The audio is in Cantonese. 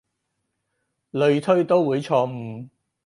類推都會錯誤